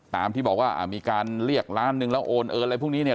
ที่บอกว่ามีการเรียกล้านหนึ่งแล้วโอนเอิญอะไรพวกนี้เนี่ย